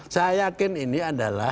saya yakin ini adalah